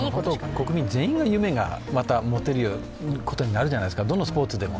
国民全員がまた夢を持てることになるじゃないですか、どのスポーツでも。